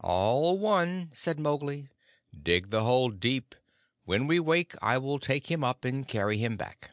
"All one," said Mowgli. "Dig the hole deep. When we wake I will take him up and carry him back."